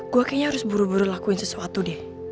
gue kayaknya harus buru buru lakuin sesuatu deh